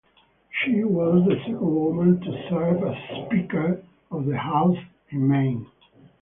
She was the second woman to serve as Speaker of the House in Maine.